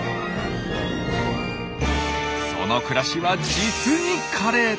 その暮らしは実に華麗！